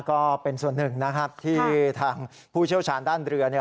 ก็เป็นส่วนหนึ่งนะครับที่ทางผู้เชี่ยวชาญด้านเรือเนี่ย